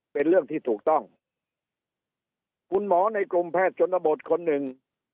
เป็นเรื่องที่ถูกต้องคุณหมอในกลุ่มแพทย์ชนบทคนหนึ่ง